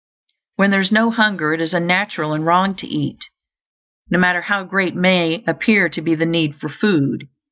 When there is no hunger it is unnatural and wrong to eat, no matter how great may APPEAR to be the need for food.